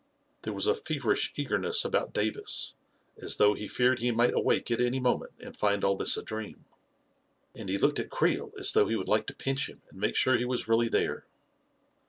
There was a feverish eagerness about Davis, as though he feared he might awake at any moment and find all this a dream; and he looked at Creel as though he would like to pinch him and make sure he was really there.